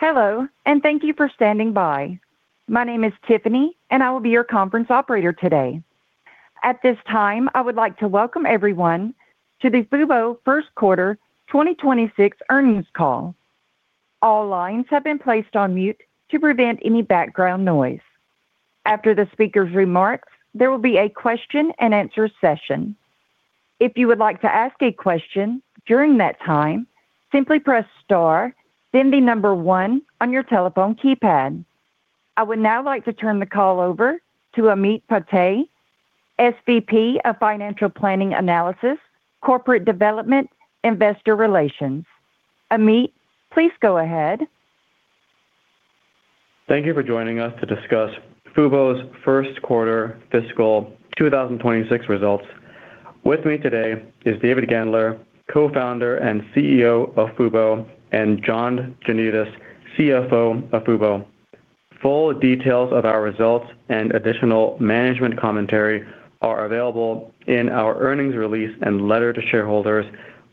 Hello and thank you for standing by. My name is Tiffany and I will be your conference operator today. At this time I would like to welcome everyone to the Fubo Q1 2026 Earnings Call. All lines have been placed on mute to prevent any background noise. After the speaker's remarks there will be a question and answer session. If you would like to ask a question during that time simply press star then the number one on your telephone keypad. I would now like to turn the call over to Ameet Patel, SVP of Financial Planning and Analysis, Corporate Development, Investor Relations. Ameet, please go ahead. Thank you for joining us to discuss Fubo's Q1 fiscal 2026 results. With me today is David Gandler, Co-founder and CEO of Fubo, and John Janedis, CFO of Fubo. Full details of our results and additional management commentary are available in our earnings release and letter to shareholders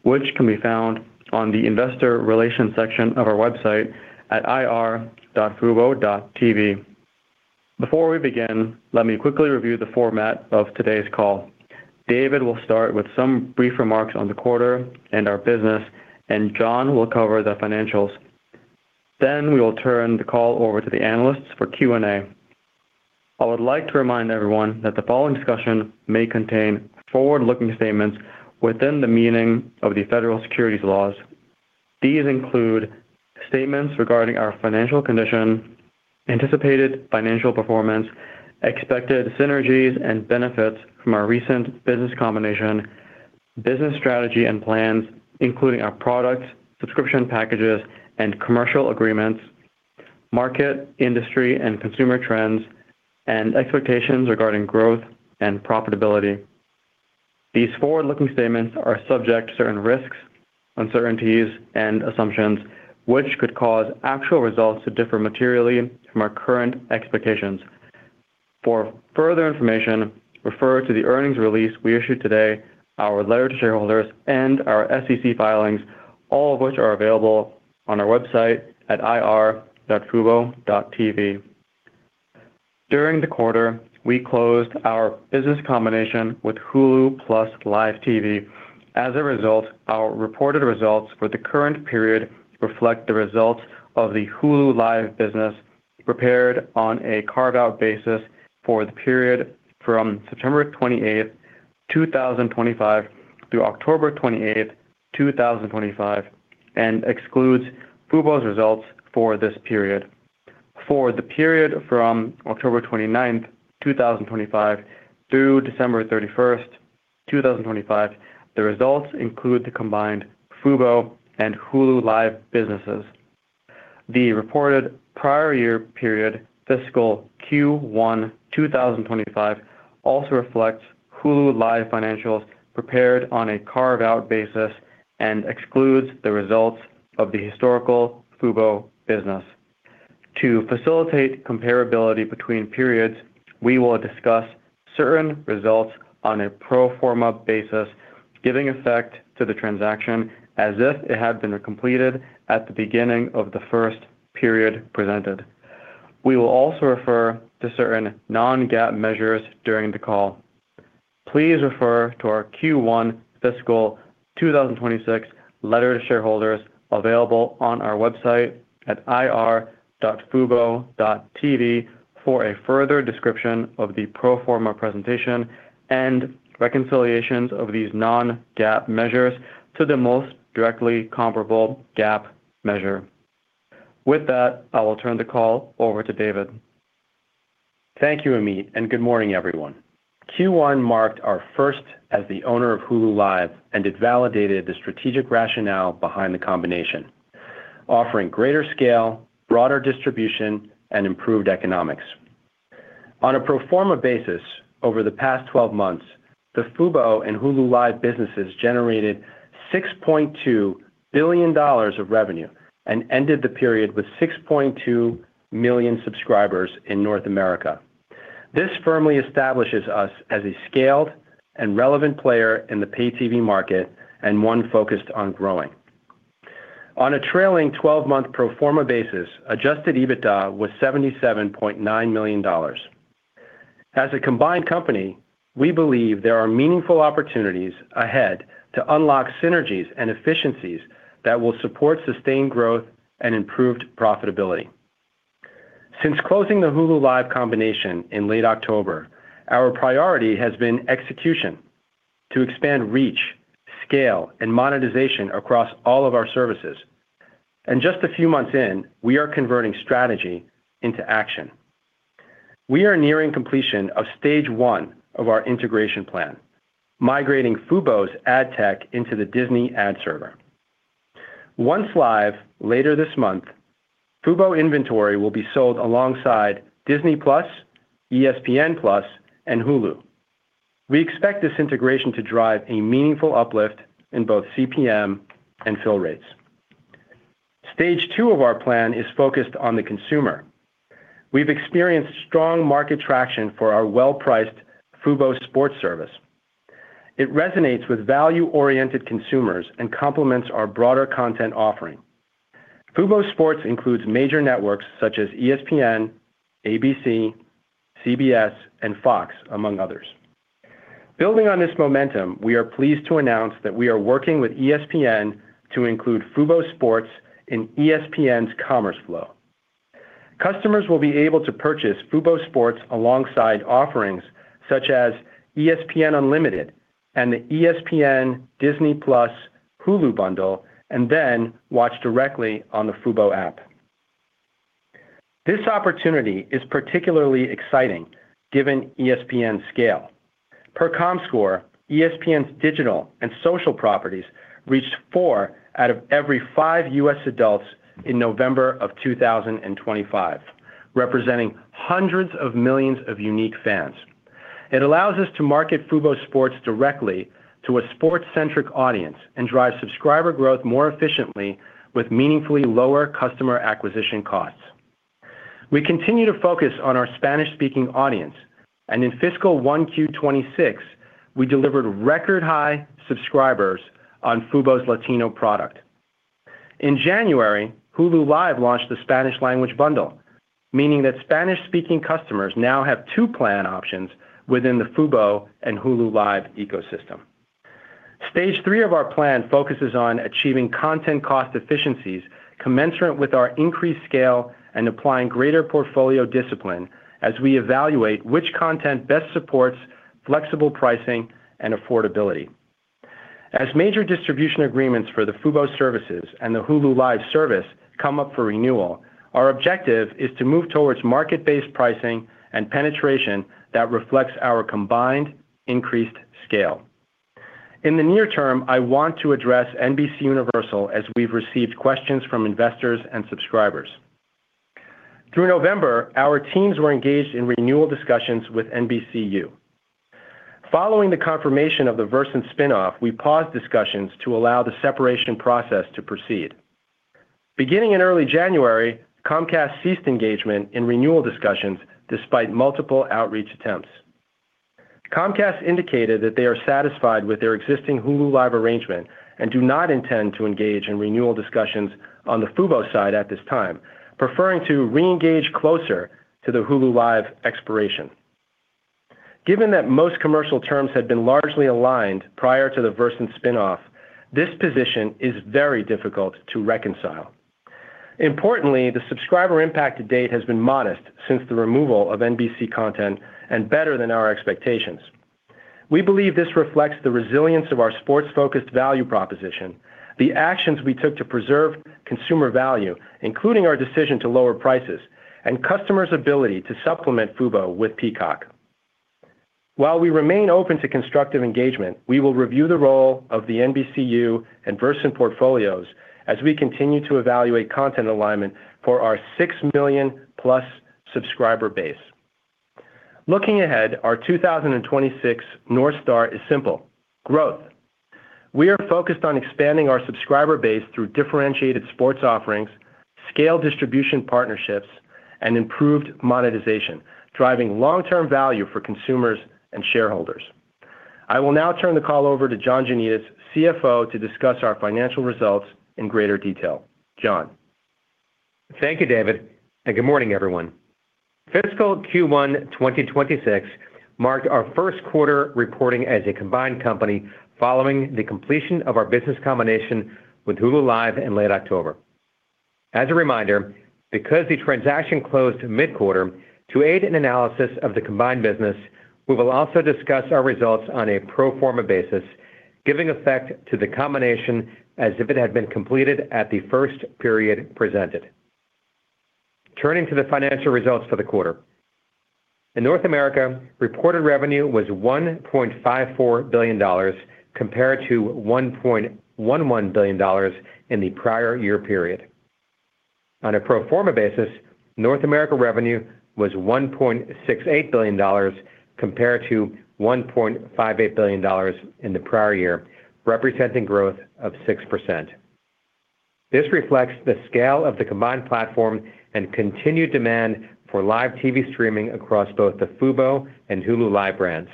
which can be found on the investor relations section of our website at ir.Fubo.tv. Before we begin, let me quickly review the format of today's call. David will start with some brief remarks on the quarter and our business and John will cover the financials. Then we will turn the call over to the analysts for Q&A. I would like to remind everyone that the following discussion may contain forward-looking statements within the meaning of the federal securities laws. These include statements regarding our financial condition, anticipated financial performance, expected synergies and benefits from our recent business combination, business strategy and plans including our products, subscription packages, and commercial agreements, market, industry, and consumer trends, and expectations regarding growth and profitability. These forward-looking statements are subject to certain risks, uncertainties, and assumptions which could cause actual results to differ materially from our current expectations. For further information refer to the earnings release we issued today, our letter to shareholders, and our SEC filings all of which are available on our website at ir.Fubo.tv. During the quarter we closed our business combination with Hulu + Live TV. As a result our reported results for the current period reflect the results of the Hulu + Live TV business prepared on a carve-out basis for the period from September 28th, 2025 through October 28th, 2025, and excludes Fubo's results for this period. For the period from October 29th, 2025, through December 31st, 2025, the results include the combined Fubo and Hulu Live businesses. The reported prior year period fiscal Q1 2025 also reflects Hulu Live financials prepared on a carve-out basis and excludes the results of the historical Fubo business. To facilitate comparability between periods, we will discuss certain results on a pro forma basis giving effect to the transaction as if it had been completed at the beginning of the first period presented. We will also refer to certain non-GAAP measures during the call. Please refer to our Q1 fiscal 2026 letter to shareholders available on our website at ir.Fubo.tv for a further description of the pro forma presentation and reconciliations of these non-GAAP measures to the most directly comparable GAAP measure. With that, I will turn the call over to David. Thank you Ameet and good morning everyone. Q1 marked our first as the owner of Hulu Live and it validated the strategic rationale behind the combination. Offering greater scale, broader distribution, and improved economics. On a pro forma basis over the past 12 months the Fubo and Hulu Live businesses generated $6.2 billion of revenue and ended the period with 6.2 million subscribers in North America. This firmly establishes us as a scaled and relevant player in the pay TV market and one focused on growing. On a trailing 12-month pro forma basis Adjusted EBITDA was $77.9 million. As a combined company we believe there are meaningful opportunities ahead to unlock synergies and efficiencies that will support sustained growth and improved profitability. Since closing the Hulu Live combination in late October our priority has been execution. To expand reach, scale, and monetization across all of our services. Just a few months in we are converting strategy into action. We are nearing completion of stage one of our integration plan. Migrating Fubo's ad tech into the Disney Ad Server. Once live later this month Fubo inventory will be sold alongside Disney+, ESPN+, and Hulu. We expect this integration to drive a meaningful uplift in both CPM and fill rates. Stage two of our plan is focused on the consumer. We've experienced strong market traction for our well-priced Fubo Sports service. It resonates with value-oriented consumers and complements our broader content offering. Fubo Sports includes major networks such as ESPN, ABC, CBS, and Fox, among others. Building on this momentum we are pleased to announce that we are working with ESPN to include Fubo Sports in ESPN's Commerce Flow. Customers will be able to purchase Fubo Sports alongside offerings such as ESPN Unlimited and the ESPN Disney+ Hulu bundle and then watch directly on the Fubo app. This opportunity is particularly exciting given ESPN's scale. Per Comscore, ESPN's digital and social properties reached 4 out of every 5 U.S. adults in November of 2025. Representing hundreds of millions of unique fans. It allows us to market Fubo Sports directly to a sports-centric audience and drive subscriber growth more efficiently with meaningfully lower customer acquisition costs. We continue to focus on our Spanish-speaking audience and in fiscal 1Q26 we delivered record-high subscribers on Fubo's Latino product. In January Hulu Live launched the Spanish-language bundle. Meaning that Spanish-speaking customers now have two plan options within the Fubo and Hulu Live ecosystem. Stage three of our plan focuses on achieving content cost efficiencies commensurate with our increased scale and applying greater portfolio discipline as we evaluate which content best supports flexible pricing and affordability. As major distribution agreements for the Fubo services and the Hulu Live service come up for renewal, our objective is to move towards market-based pricing and penetration that reflects our combined increased scale. In the near term, I want to address NBCUniversal as we've received questions from investors and subscribers. Through November, our teams were engaged in renewal discussions with NBCU. Following the confirmation of the Versant spinoff, we paused discussions to allow the separation process to proceed. Beginning in early January, Comcast ceased engagement in renewal discussions despite multiple outreach attempts. Comcast indicated that they are satisfied with their existing Hulu Live arrangement and do not intend to engage in renewal discussions on the Fubo side at this time. Preferring to re-engage closer to the Hulu Live expiration. Given that most commercial terms had been largely aligned prior to the Versant spinoff, this position is very difficult to reconcile. Importantly, the subscriber impact to date has been modest since the removal of NBC content and better than our expectations. We believe this reflects the resilience of our sports-focused value proposition, the actions we took to preserve consumer value including our decision to lower prices, and customers' ability to supplement Fubo with Peacock. While we remain open to constructive engagement, we will review the role of the NBCU and Versant portfolios as we continue to evaluate content alignment for our 6 million+ subscriber base. Looking ahead, our 2026 North Star is simple. Growth. We are focused on expanding our subscriber base through differentiated sports offerings, scale distribution partnerships, and improved monetization. Driving long-term value for consumers and shareholders. I will now turn the call over to John Janedis, CFO, to discuss our financial results in greater detail. John. Thank you, David, and good morning, everyone. Fiscal Q1 2026 marked our Q1 reporting as a combined company following the completion of our business combination with Hulu Live in late October. As a reminder, because the transaction closed mid-quarter, to aid in analysis of the combined business, we will also discuss our results on a pro forma basis giving effect to the combination as if it had been completed at the first period presented. Turning to the financial results for the quarter. In North America, reported revenue was $1.54 billion compared to $1.11 billion in the prior year period. On a pro forma basis, North America revenue was $1.68 billion compared to $1.58 billion in the prior year, representing growth of 6%. This reflects the scale of the combined platform and continued demand for live TV streaming across both the Fubo and Hulu Live brands.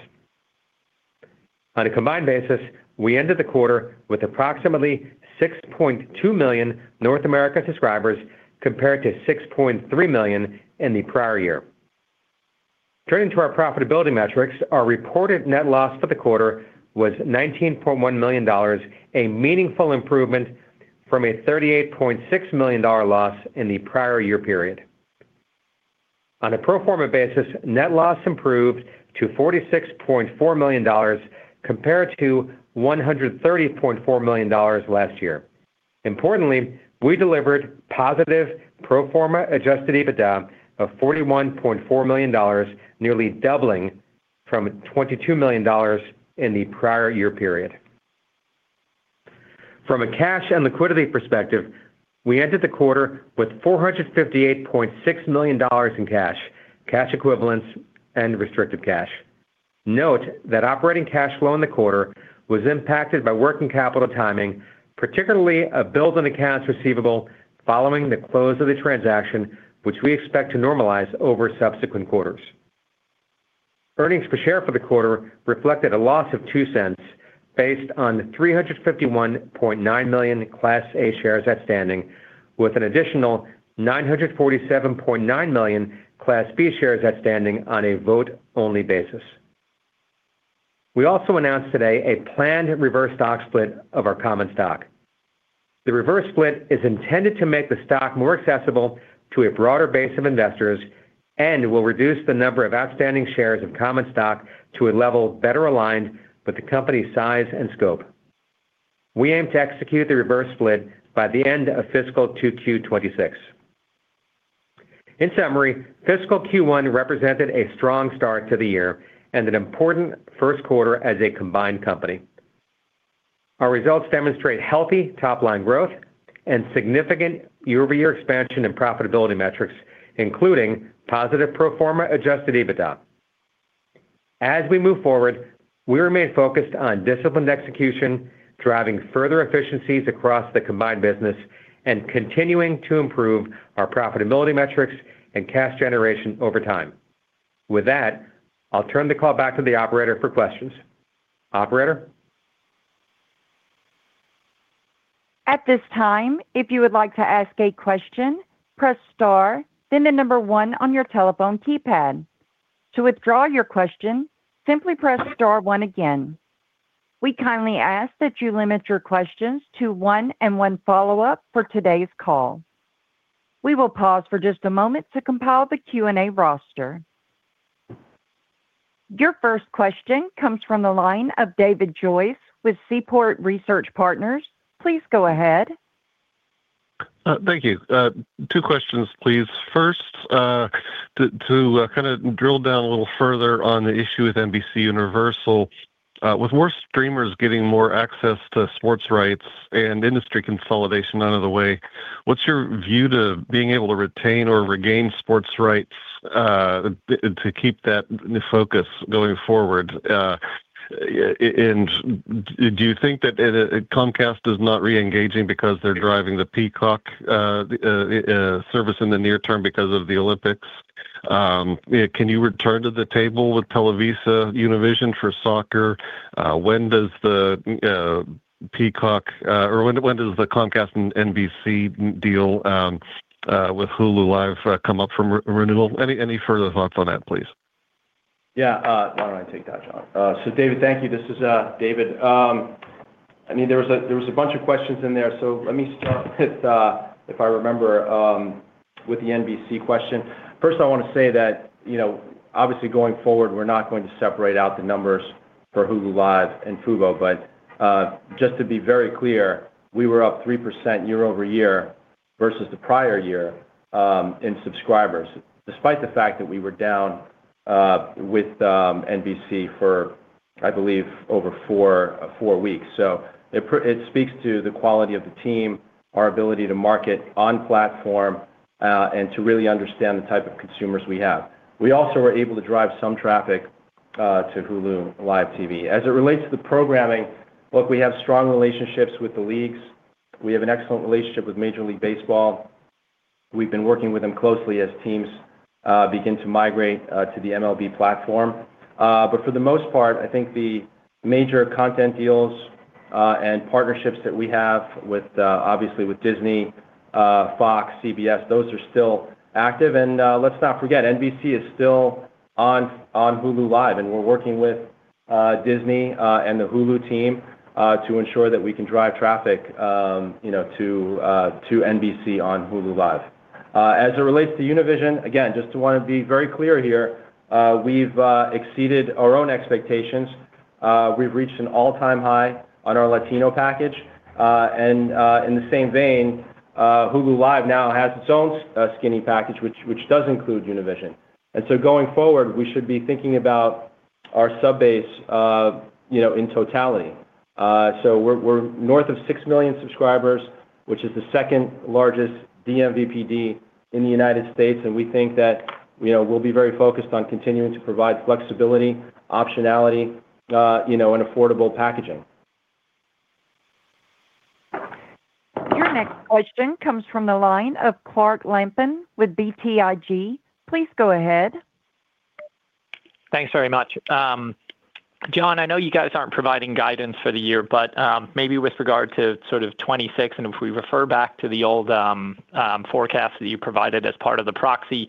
On a combined basis, we ended the quarter with approximately 6.2 million North America subscribers compared to 6.3 million in the prior year. Turning to our profitability metrics, our reported net loss for the quarter was $19.1 million, a meaningful improvement from a $38.6 million loss in the prior year period. On a pro forma basis, net loss improved to $46.4 million compared to $130.4 million last year. Importantly we delivered positive pro forma adjusted EBITDA of $41.4 million, nearly doubling from $22 million in the prior year period. From a cash and liquidity perspective we entered the quarter with $458.6 million in cash, cash equivalents, and restricted cash. Note that operating cash flow in the quarter was impacted by working capital timing, particularly a buildup in accounts receivable following the close of the transaction which we expect to normalize over subsequent quarters. Earnings per share for the quarter reflected a loss of $0.02 based on 351.9 million Class A shares outstanding with an additional 947.9 million Class B shares outstanding on a vote-only basis. We also announced today a planned reverse stock split of our common stock. The reverse split is intended to make the stock more accessible to a broader base of investors and will reduce the number of outstanding shares of common stock to a level better aligned with the company's size and scope. We aim to execute the reverse split by the end of fiscal 2Q26. In summary fiscal Q1 represented a strong start to the year and an important Q1 as a combined company. Our results demonstrate healthy top-line growth and significant year-over-year expansion in profitability metrics including positive pro forma adjusted EBITDA. As we move forward we remain focused on disciplined execution driving further efficiencies across the combined business and continuing to improve our profitability metrics and cash generation over time. With that I'll turn the call back to the operator for questions. Operator. At this time, if you would like to ask a question, press star then the number one on your telephone keypad. To withdraw your question, simply press star one again. We kindly ask that you limit your questions to one and one follow-up for today's call. We will pause for just a moment to compile the Q&A roster. Your first question comes from the line of David Joyce with Seaport Research Partners. Please go ahead. Thank you. Two questions please. First to kind of drill down a little further on the issue with NBCUniversal. With more streamers getting more access to sports rights and industry consolidation out of the way what's your view to being able to retain or regain sports rights to keep that focus going forward? And do you think that Comcast is not re-engaging because they're driving the Peacock service in the near term because of the Olympics? Can you return to the table with TelevisaUnivision for soccer? When does the Peacock or when does the Comcast and NBC deal with Hulu Live come up for renewal? Any further thoughts on that please. Yeah. Why don't I take that, John. So, David, thank you. This is David. I mean, there was a bunch of questions in there, so let me start with, if I remember, with the NBC question. First, I want to say that obviously, going forward, we're not going to separate out the numbers for Hulu Live and Fubo, but just to be very clear, we were up 3% year-over-year versus the prior year in subscribers despite the fact that we were down with NBC for, I believe, over four weeks. So it speaks to the quality of the team, our ability to market on platform, and to really understand the type of consumers we have. We also were able to drive some traffic to Hulu Live TV. As it relates to the programming, look, we have strong relationships with the leagues. We have an excellent relationship with Major League Baseball. We've been working with them closely as teams begin to migrate to the MLB platform. But for the most part I think the major content deals and partnerships that we have obviously with Disney, Fox, CBS those are still active. And let's not forget NBC is still on Hulu Live and we're working with Disney and the Hulu team to ensure that we can drive traffic to NBC on Hulu Live. As it relates to Univision again just to want to be very clear here we've exceeded our own expectations. We've reached an all-time high on our Latino package. And in the same vein Hulu Live now has its own skinny package which does include Univision. And so going forward we should be thinking about our subbase in totality. We're north of 6 million subscribers, which is the second largest vMVPD in the United States, and we think that we'll be very focused on continuing to provide flexibility, optionality, and affordable packaging. Your next question comes from the line of Clark Lampen with BTIG. Please go ahead. Thanks very much. John, I know you guys aren't providing guidance for the year, but maybe with regard to sort of 2026 and if we refer back to the old forecasts that you provided as part of the proxy,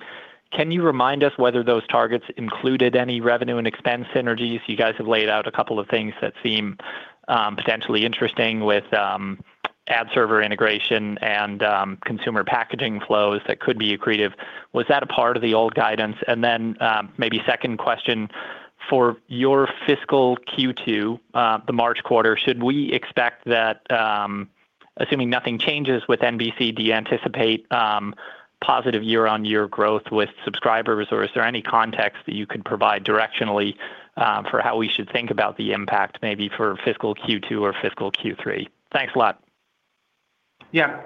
can you remind us whether those targets included any revenue and expense synergies? You guys have laid out a couple of things that seem potentially interesting with ad server integration and consumer packaging flows that could be accretive. Was that a part of the old guidance? And then maybe second question for your fiscal Q2, the March quarter: should we expect that assuming nothing changes with NBC, do you anticipate positive year-on-year growth with subscribers or is there any context that you could provide directionally for how we should think about the impact maybe for fiscal Q2 or fiscal Q3? Thanks a lot. Yeah.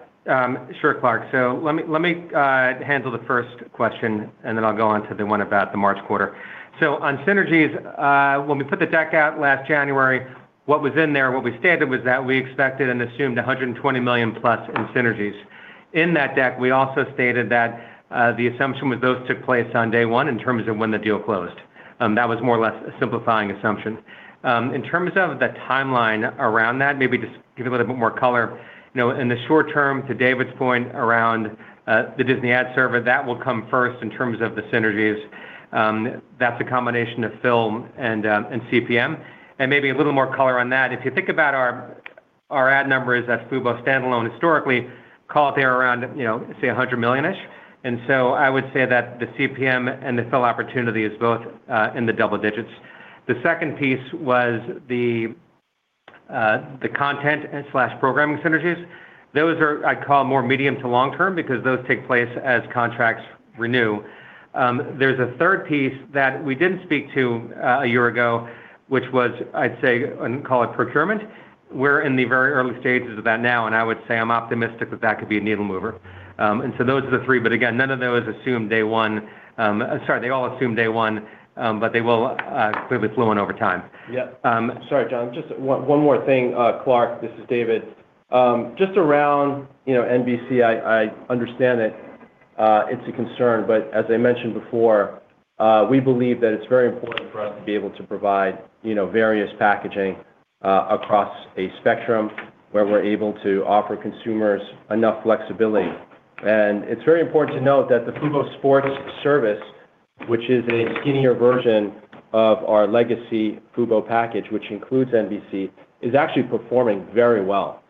Sure, Clark. So let me handle the first question and then I'll go on to the one about the March quarter. So on synergies, when we put the deck out last January, what was in there, what we stated was that we expected and assumed $120 million+ in synergies. In that deck we also stated that the assumption was those took place on day one in terms of when the deal closed. That was more or less a simplifying assumption. In terms of the timeline around that, maybe just give it a little bit more color. In the short term, to David's point around the Disney Ad Server, that will come first in terms of the synergies. That's a combination of fill and CPM. And maybe a little more color on that. If you think about our ad numbers as Fubo standalone historically, call it there around say $100 million-ish. And so I would say that the CPM and the fill opportunity is both in the double digits. The second piece was the content/programming synergies. Those are I'd call more medium to long-term because those take place as contracts renew. There's a third piece that we didn't speak to a year ago which was I'd say I'd call it procurement. We're in the very early stages of that now and I would say I'm optimistic that that could be a needle mover. And so those are the three but again none of those assume day one sorry they all assume day one but they will clearly flow in over time. Yeah. Sorry John. Just one more thing Clark. This is David. Just around NBC, I understand that it's a concern, but as I mentioned before, we believe that it's very important for us to be able to provide various packaging across a spectrum where we're able to offer consumers enough flexibility. It's very important to note that the Fubo Sports service, which is a skinnier version of our legacy Fubo package which includes NBC, is actually performing very well.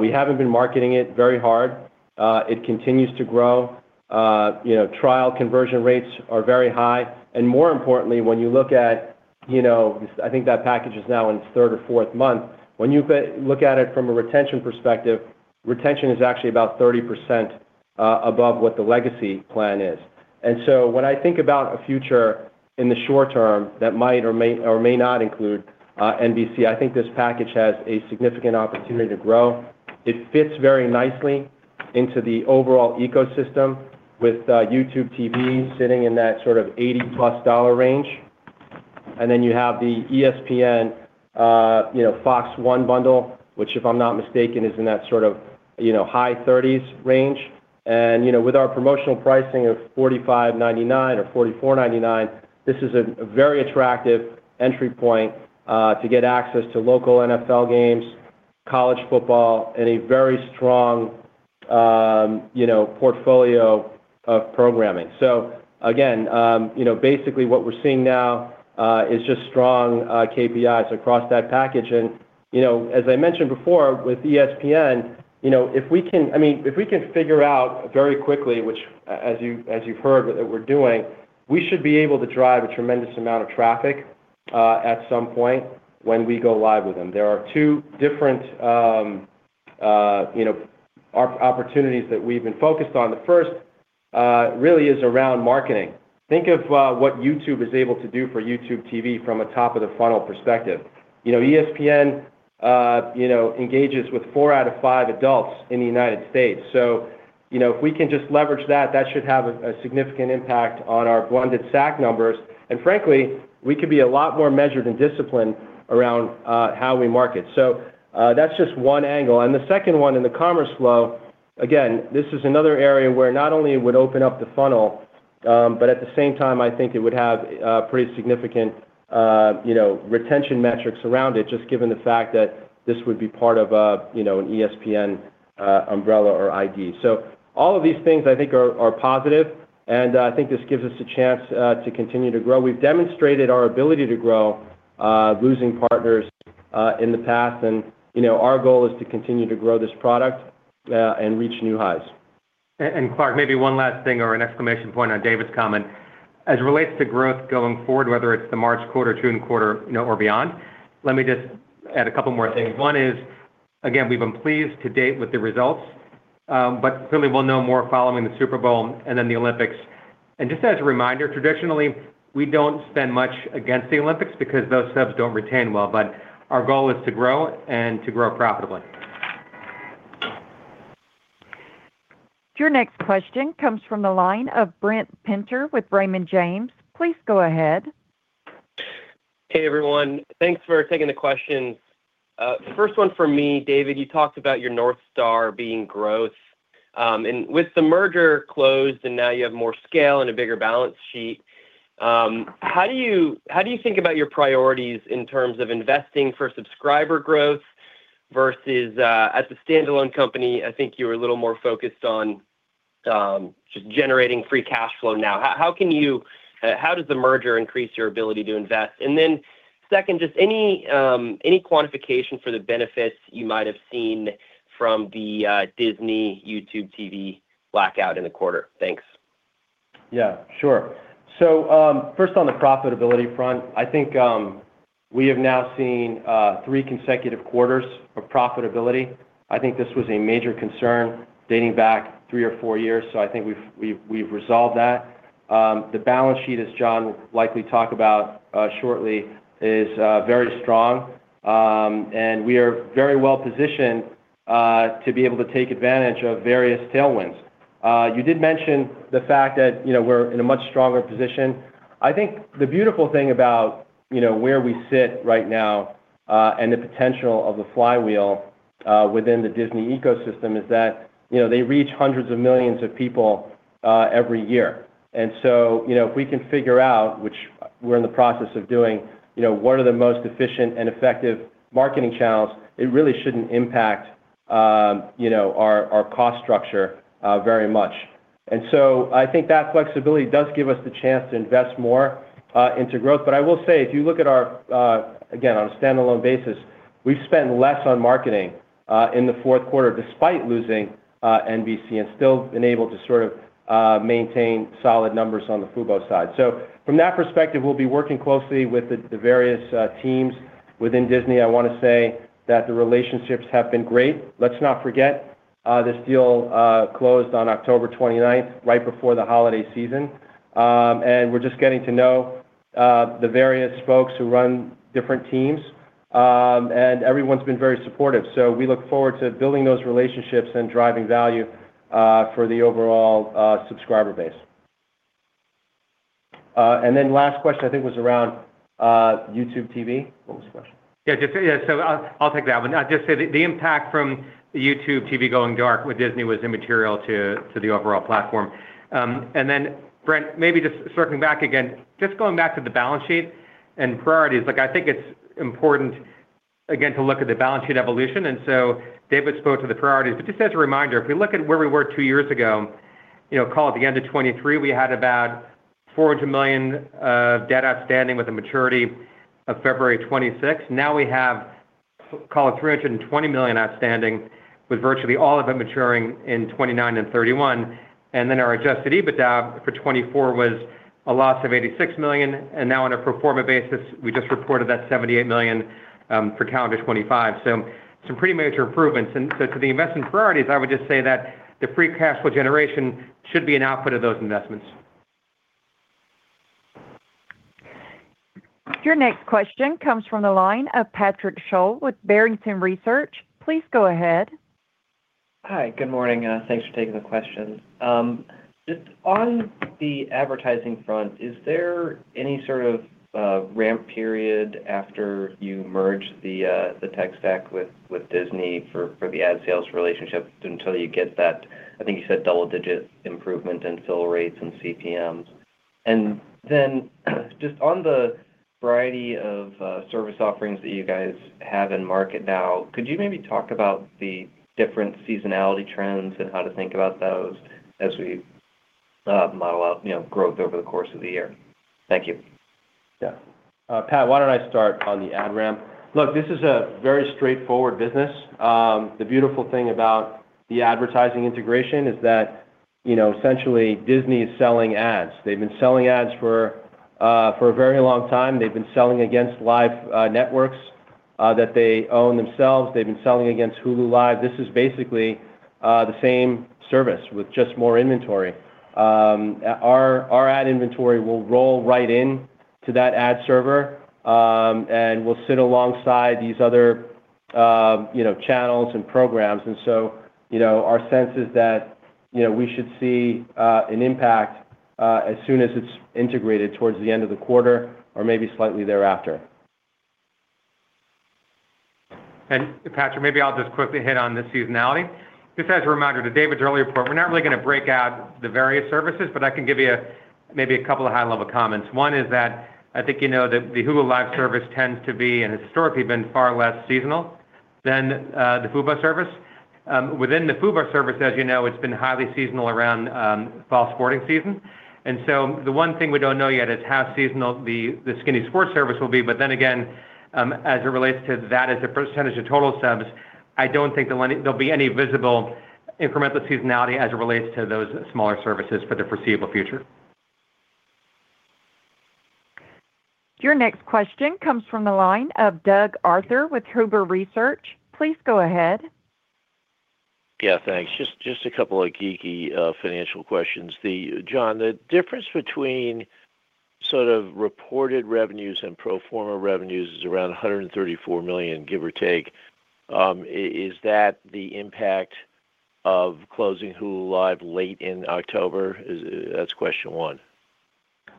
We haven't been marketing it very hard. It continues to grow. Trial conversion rates are very high. And more importantly, when you look at—I think that package is now in its third or fourth month. When you look at it from a retention perspective, retention is actually about 30% above what the legacy plan is. So when I think about a future in the short term that might or may not include NBC, I think this package has a significant opportunity to grow. It fits very nicely into the overall ecosystem with YouTube TV sitting in that sort of $80-plus range. Then you have the ESPN Fox One bundle which, if I'm not mistaken, is in that sort of high $30s range. With our promotional pricing of $45.99 or $44.99, this is a very attractive entry point to get access to local NFL games, college football, and a very strong portfolio of programming. Again, basically what we're seeing now is just strong KPIs across that package. As I mentioned before with ESPN, if we can—I mean, if we can—figure out very quickly, which, as you've heard, that we're doing, we should be able to drive a tremendous amount of traffic at some point when we go live with them. There are two different opportunities that we've been focused on. The first really is around marketing. Think of what YouTube is able to do for YouTube TV from a top-of-the-funnel perspective. ESPN engages with four out of five adults in the United States. So if we can just leverage that, that should have a significant impact on our blended SAC numbers. And frankly we could be a lot more measured and disciplined around how we market. So that's just one angle. And the second one in the commerce flow again this is another area where not only it would open up the funnel but at the same time I think it would have pretty significant retention metrics around it just given the fact that this would be part of an ESPN umbrella or ID. So all of these things I think are positive and I think this gives us a chance to continue to grow. We've demonstrated our ability to grow losing partners in the past and our goal is to continue to grow this product and reach new highs. And Clark maybe one last thing or an exclamation point on David's comment. As it relates to growth going forward whether it's the March quarter, June quarter, or beyond let me just add a couple more things. One is again we've been pleased to date with the results but clearly we'll know more following the Super Bowl and then the Olympics. Just as a reminder, traditionally we don't spend much against the Olympics because those subs don't retain well but our goal is to grow and to grow profitably. Your next question comes from the line of Brent Penter with Raymond James. Please go ahead. Hey, everyone. Thanks for taking the questions. First one for me, David. You talked about your North Star being growth. And with the merger closed and now you have more scale and a bigger balance sheet, how do you think about your priorities in terms of investing for subscriber growth versus at the standalone company? I think you were a little more focused on just generating free cash flow now. How does the merger increase your ability to invest? And then second, just any quantification for the benefits you might have seen from the Disney YouTube TV blackout in the quarter. Thanks. Yeah. Sure. So first on the profitability front, I think we have now seen three consecutive quarters of profitability. I think this was a major concern dating back three or four years, so I think we've resolved that. The balance sheet, as John will likely talk about shortly, is very strong and we are very well positioned to be able to take advantage of various tailwinds. You did mention the fact that we're in a much stronger position. I think the beautiful thing about where we sit right now and the potential of the flywheel within the Disney ecosystem is that they reach hundreds of millions of people every year. And so if we can figure out, which we're in the process of doing, what are the most efficient and effective marketing channels, it really shouldn't impact our cost structure very much. And so I think that flexibility does give us the chance to invest more into growth. But I will say if you look at our again on a standalone basis we've spent less on marketing in the Q4 despite losing NBC and still been able to sort of maintain solid numbers on the Fubo side. So from that perspective we'll be working closely with the various teams within Disney. I want to say that the relationships have been great. Let's not forget this deal closed on October 29th right before the holiday season. And we're just getting to know the various folks who run different teams and everyone's been very supportive. So we look forward to building those relationships and driving value for the overall subscriber base. And then last question I think was around YouTube TV. What was the question? Yeah. Yeah. So I'll take that one. I'd just say the impact from YouTube TV going dark with Disney was immaterial to the overall platform. And then, Brent, maybe just circling back again, just going back to the balance sheet and priorities, I think it's important again to look at the balance sheet evolution. And so David spoke to the priorities, but just as a reminder, if we look at where we were two years ago, call it the end of 2023, we had about $400 million of debt outstanding with a maturity of February '26. Now we have, call it $320 million outstanding, with virtually all of it maturing in 2029 and 2031. And then our Adjusted EBITDA for 2024 was a loss of $86 million. And now, on a performance basis, we just reported that $78 million for calendar 2025. So some pretty major improvements. And so to the investment priorities I would just say that the free cash flow generation should be an output of those investments. Your next question comes from the line of Patrick Sholl with Barrington Research. Please go ahead. Hi. Good morning. Thanks for taking the question. Just on the advertising front, is there any sort of ramp period after you merged the tech stack with Disney for the ad sales relationship until you get that I think you said double-digit improvement in fill rates and CPMs? And then just on the variety of service offerings that you guys have in market now, could you maybe talk about the different seasonality trends and how to think about those as we model out growth over the course of the year? Thank you. Yeah. Pat, why don't I start on the ad ramp. Look, this is a very straightforward business. The beautiful thing about the advertising integration is that essentially Disney is selling ads. They've been selling ads for a very long time. They've been selling against live networks that they own themselves. They've been selling against Hulu Live. This is basically the same service with just more inventory. Our ad inventory will roll right into that ad server and will sit alongside these other channels and programs. And so our sense is that we should see an impact as soon as it's integrated towards the end of the quarter or maybe slightly thereafter. And Patrick, maybe I'll just quickly hit on the seasonality. Just as a reminder to David's earlier point, we're not really going to break out the various services, but I can give you maybe a couple of high-level comments. One is that I think you know that the Hulu Live service tends to be and has historically been far less seasonal than the Fubo service. Within the Fubo service, as you know, it's been highly seasonal around fall sporting season. The one thing we don't know yet is how seasonal the skinny sports service will be. But then again as it relates to that as a percentage of total subs I don't think there'll be any visible incremental seasonality as it relates to those smaller services for the foreseeable future. Your next question comes from the line of Doug Arthur with Huber Research. Please go ahead. Yeah. Thanks. Just a couple of geeky financial questions. John, the difference between sort of reported revenues and pro forma revenues is around $134 million, give or take. Is that the impact of closing Hulu Live late in October? That's question one.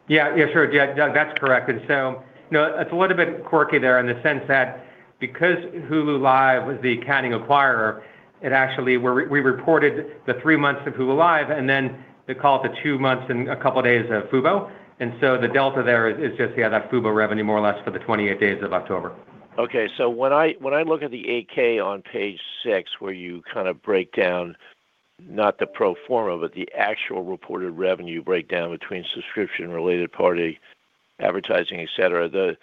Yeah. Yeah. Sure. Doug, that's correct. And so it's a little bit quirky there in the sense that because Hulu Live was the accounting acquirer, it actually we reported the three months of Hulu Live and then they call it the two months and a couple of days of Fubo. And so the delta there is just yeah that Fubo revenue more or less for the 28 days of October. Okay. So when I look at the 10-K on page six where you kind of break down not the pro forma but the actual reported revenue breakdown between subscription, related party, advertising, etc., the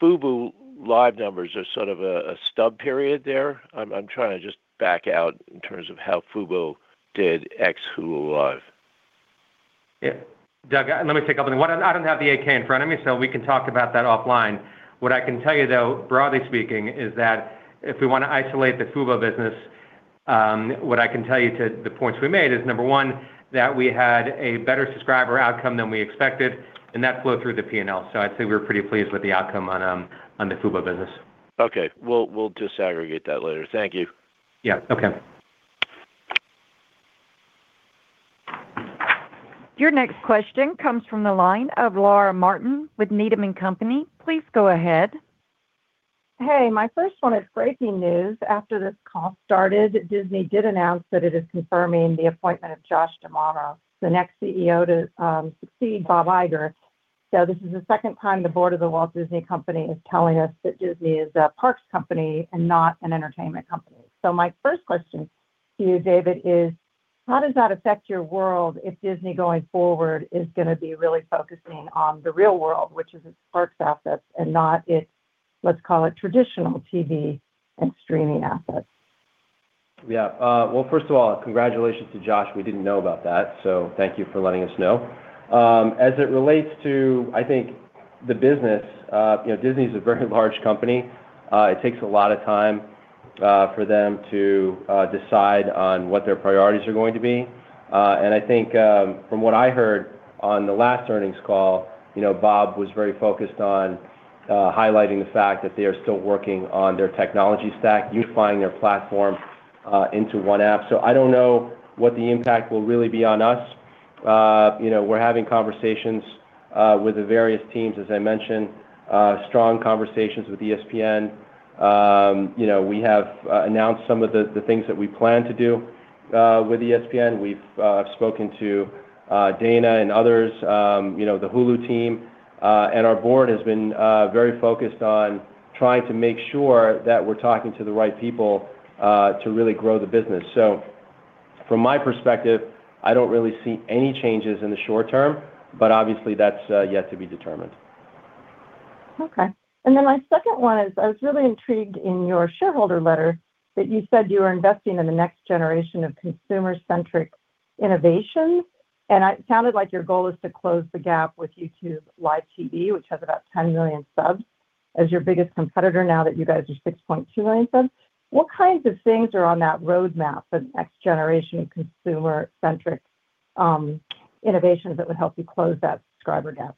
Fubo live numbers are sort of a stub period there. I'm trying to just back out in terms of how Fubo did ex-Hulu Live. Yeah. Doug, let me take up a minute. I don't have the 10-K in front of me so we can talk about that offline. What I can tell you though broadly speaking is that if we want to isolate the Fubo business what I can tell you to the points we made is number one that we had a better subscriber outcome than we expected and that flowed through the P&L. So I'd say we were pretty pleased with the outcome on the Fubo business. Okay. We'll disaggregate that later. Thank you. Yeah. Okay. Your next question comes from the line of Laura Martin with Needham & Company. Please go ahead. Hey. My first one is breaking news. After this call started Disney did announce that it is confirming the appointment of Josh D'Amaro, the next CEO to succeed Bob Iger. So this is the second time the board of the Walt Disney Company is telling us that Disney is a parks company and not an entertainment company. So my first question to you David is how does that affect your world if Disney going forward is going to be really focusing on the real world which is its parks assets and not its let's call it traditional TV and streaming assets? Yeah. Well first of all congratulations to Josh. We didn't know about that so thank you for letting us know. As it relates to, I think, the business, Disney is a very large company. It takes a lot of time for them to decide on what their priorities are going to be. I think from what I heard on the last earnings call, Bob was very focused on highlighting the fact that they are still working on their technology stack, unifying their platform into one app. So I don't know what the impact will really be on us. We're having conversations with the various teams, as I mentioned, strong conversations with ESPN. We have announced some of the things that we plan to do with ESPN. We've spoken to Dana and others, the Hulu team, and our board has been very focused on trying to make sure that we're talking to the right people to really grow the business. So from my perspective I don't really see any changes in the short term but obviously that's yet to be determined. Okay. And then my second one is I was really intrigued in your shareholder letter that you said you were investing in the next generation of consumer-centric innovation. And it sounded like your goal is to close the gap with YouTube TV which has about 10 million subs as your biggest competitor now that you guys are 6.2 million subs. What kinds of things are on that roadmap for the next generation of consumer-centric innovations that would help you close that subscriber gap?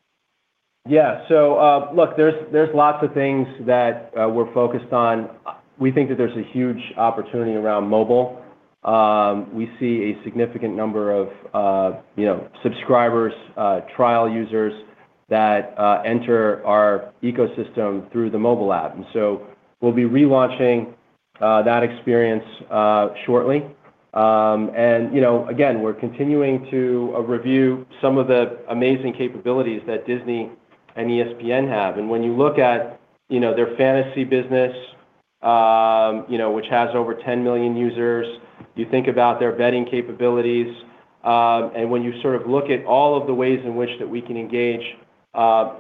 Yeah. So look there's lots of things that we're focused on. We think that there's a huge opportunity around mobile. We see a significant number of subscribers trial users that enter our ecosystem through the mobile app. And so we'll be relaunching that experience shortly. And again we're continuing to review some of the amazing capabilities that Disney and ESPN have. And when you look at their fantasy business which has over 10 million users you think about their betting capabilities. And when you sort of look at all of the ways in which that we can engage a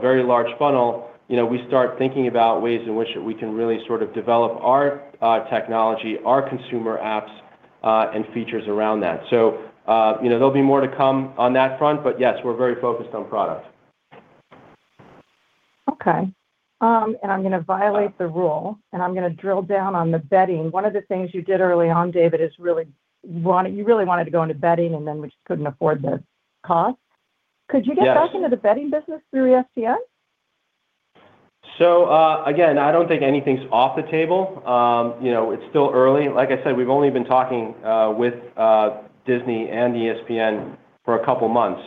very large funnel we start thinking about ways in which that we can really sort of develop our technology our consumer apps and features around that. So there'll be more to come on that front but yes we're very focused on product. Okay. And I'm going to violate the rule and I'm going to drill down on the betting. One of the things you did early on David is really you really wanted to go into betting and then we just couldn't afford the cost. Could you get back into the betting business through ESPN? So again I don't think anything's off the table. It's still early. Like I said we've only been talking with Disney and ESPN for a couple of months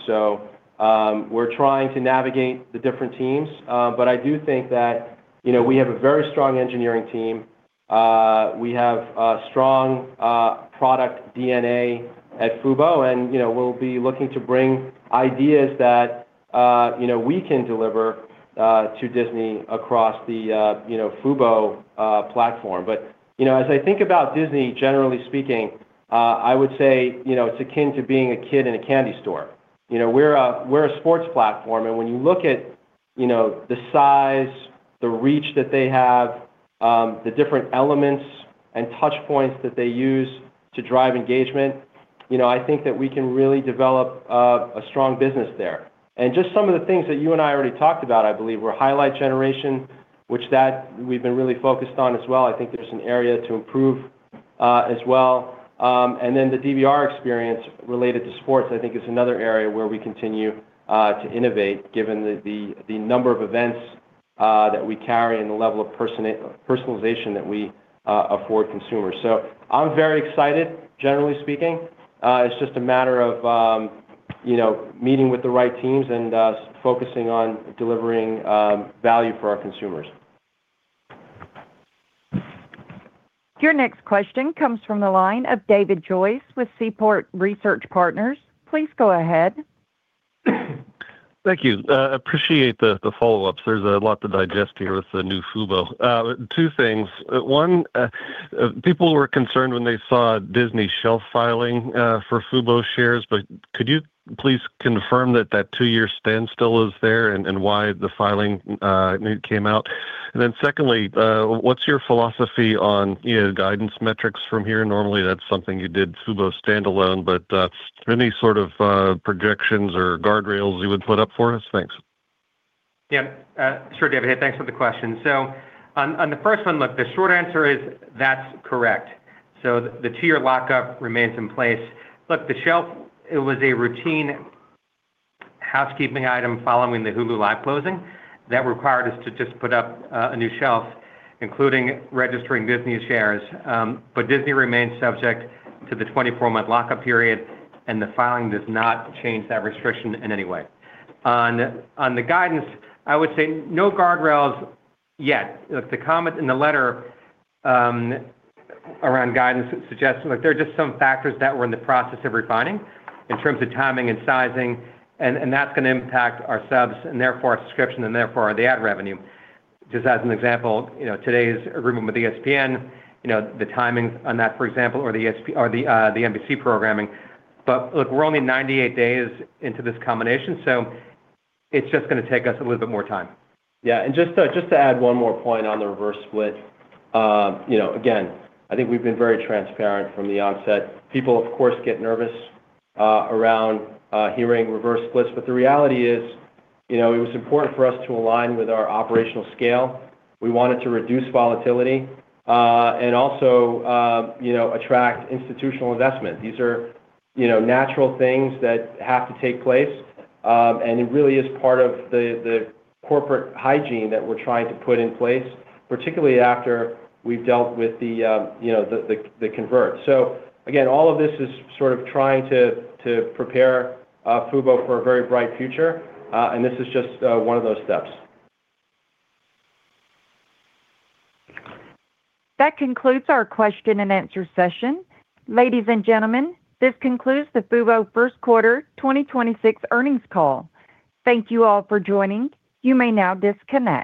so we're trying to navigate the different teams. But I do think that we have a very strong engineering team. We have a strong product DNA at Fubo and we'll be looking to bring ideas that we can deliver to Disney across the Fubo platform. But as I think about Disney generally speaking I would say it's akin to being a kid in a candy store. We're a sports platform and when you look at the size the reach that they have the different elements and touchpoints that they use to drive engagement I think that we can really develop a strong business there. Just some of the things that you and I already talked about I believe were highlight generation which we've been really focused on as well. I think there's an area to improve as well. And then the DVR experience related to sports I think is another area where we continue to innovate given the number of events that we carry and the level of personalization that we afford consumers. So I'm very excited generally speaking. It's just a matter of meeting with the right teams and focusing on delivering value for our consumers. Your next question comes from the line of David Joyce with Seaport Research Partners. Please go ahead. Thank you. Appreciate the follow-ups. There's a lot to digest here with the new Fubo. Two things. Some people were concerned when they saw Disney shelf filing for Fubo shares but could you please confirm that the 2-year standstill is there and why the filing came out? And then secondly what's your philosophy on guidance metrics from here? Normally that's something you did Fubo standalone but any sort of projections or guardrails you would put up for us? Thanks. Yeah. Sure David. Hey thanks for the question. So on the first one look the short answer is that's correct. So the 2-year lockup remains in place. Look the shelf it was a routine housekeeping item following the Hulu Live closing that required us to just put up a new shelf including registering Disney shares. But Disney remains subject to the 24-month lockup period and the filing does not change that restriction in any way. On the guidance I would say no guardrails yet. Look, the comment in the letter around guidance suggests there are just some factors that were in the process of refining in terms of timing and sizing, and that's going to impact our subs and therefore our subscription and therefore the ad revenue. Just as an example, today's agreement with ESPN, the timings on that, for example, or the NBC programming. But look, we're only 98 days into this combination, so it's just going to take us a little bit more time. Yeah. And just to add one more point on the reverse split. Again, I think we've been very transparent from the onset. People of course get nervous around hearing reverse splits, but the reality is it was important for us to align with our operational scale. We wanted to reduce volatility and also attract institutional investment. These are natural things that have to take place, and it really is part of the corporate hygiene that we're trying to put in place, particularly after we've dealt with the convert. So again, all of this is sort of trying to prepare Fubo for a very bright future, and this is just one of those steps. That concludes our question and answer session. Ladies and gentlemen, this concludes the Fubo Q1 2026 earnings call. Thank you all for joining. You may now disconnect.